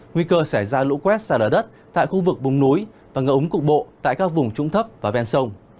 nguy cơ xảy ra lũ quét xa lở đất tại khu vực bùng núi và ngợ úng cục bộ tại các vùng trung thấp và ven sông